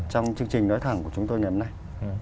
trong chương trình nói thẳng của chúng tôi ngày hôm nay